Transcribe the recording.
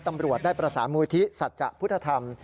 ตำรวจได้ประสานมูลทิศัตริย์พุทธธรรม